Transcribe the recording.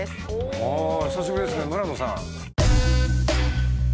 あ久しぶりですね村野さん。